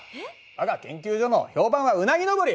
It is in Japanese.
我が研究所の評判はうなぎ登り！